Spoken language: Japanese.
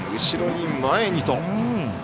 後ろに、前にと。